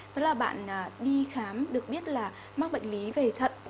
tức là bạn đi khám được biết là mắc bệnh lý về thận